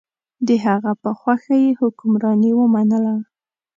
د هغه په خوښه یې حکمراني ومنله.